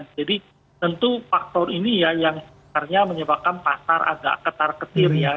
jadi tentu faktor ini ya yang sebenarnya menyebabkan pasar agak ketar ketir ya